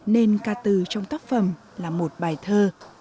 nên ca từ trong tác phẩm là một bài thơ